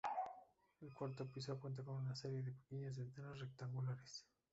El cuarto piso cuenta con una serie de pequeñas ventanas rectangulares.